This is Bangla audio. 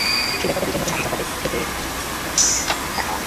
সেই ব্যাপারটা বীজের মতো মাটি চাপা থেকে হঠাৎ বিরুদ্ধতার আকারে অঙ্কুরিত হয়ে উঠল।